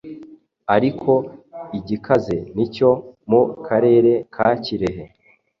ariko igikaze nicyo mu karere ka Kirehe.